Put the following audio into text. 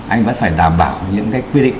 anh vẫn phải đảm bảo những cái quy định